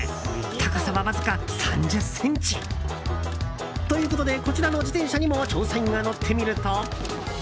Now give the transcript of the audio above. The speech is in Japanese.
高さは、わずか３０ｃｍ。ということでこちらの自転車にも調査員が乗ってみると。